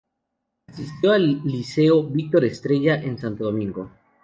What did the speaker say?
Asistió al Liceo Víctor Estrella en Santo Domingo.